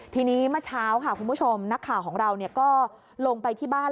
ทีนี้เมื่อเช้าค่ะคุณผู้ชมนักข่าวของเราก็ลงไปที่บ้าน